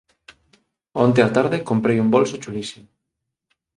Onte á tarde comprei un bolso chulísimo.